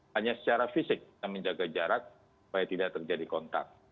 hanya secara fisik kita menjaga jarak supaya tidak terjadi kontak